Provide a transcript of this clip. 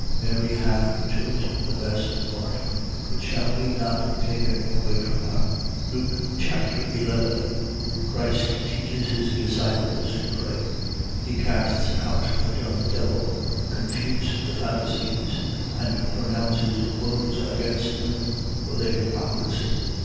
Mary hath chosen the best part, which shall not be taken away from her. Luke Chapter 11 Christ teaches his disciples to pray. He casts out a dumb devil, confutes the Pharisees, and pronounces woes against them for their hypocrisy.